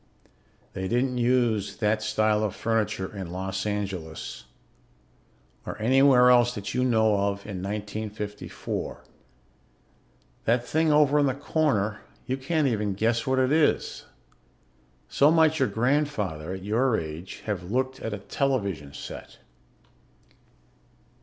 They didn't use that style of furniture in Los Angeles or anywhere else that you know of in 1954. That thing over in the corner you can't even guess what it is. So might your grandfather, at your age, have looked at a television set.